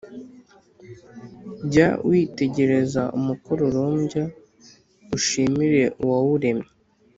Jya witegereza umukororombya ushimire Uwawuremye,